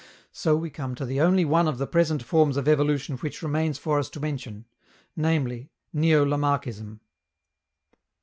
So we come to the only one of the present forms of evolution which remains for us to mention, viz., neo Lamarckism.